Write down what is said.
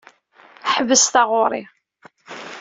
Ḥbes taɣuri.